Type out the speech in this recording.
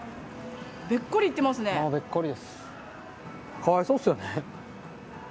かわいそうですよね。